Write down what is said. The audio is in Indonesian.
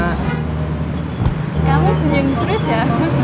kamu senyum terus ya